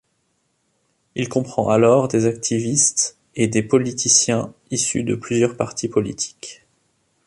Il comprend alors des activistes et des politiciens issus de plusieurs partis politiques.